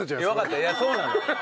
いやそうなのよ。